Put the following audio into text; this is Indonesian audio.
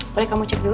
boleh kamu cek dulu